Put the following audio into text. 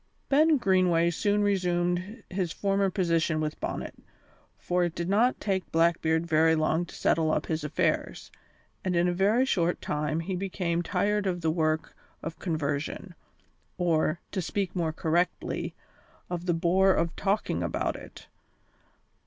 Ben Greenway soon resumed his former position with Bonnet, for it did not take Blackbeard very long to settle up his affairs, and in a very short time he became tired of the work of conversion; or, to speak more correctly, of the bore of talking about it.